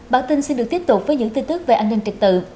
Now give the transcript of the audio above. bản tin xin được tiếp tục với những tin tức về an ninh trật tự